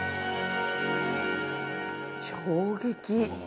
衝撃。